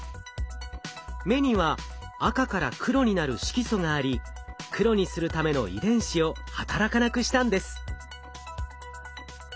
目には赤から黒になる色素があり黒にするための遺伝子を働かなくしたんです。